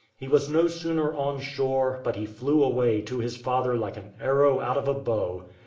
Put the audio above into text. He was no sooner on shore, but he flew away to his father like an arrow out of a bow.